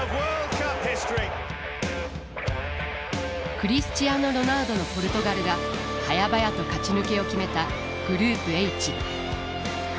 クリスチアーノ・ロナウドのポルトガルがはやばやと勝ち抜けを決めたグループＨ。